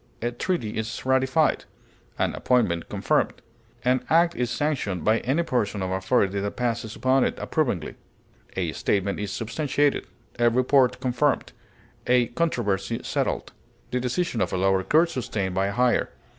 A treaty is ratified; an appointment confirmed. An act is sanctioned by any person or authority that passes upon it approvingly. A statement is substantiated; a report confirmed; a controversy settled; the decision of a lower court sustained by a higher.